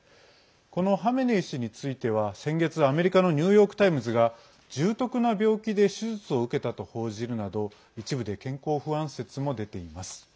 このハメネイ師については先月、アメリカのニューヨーク・タイムズが重篤な病気で手術を受けたと報じるなど一部で健康不安説も出ています。